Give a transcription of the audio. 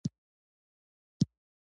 هغه با تجربه ډیپلوماټ دی.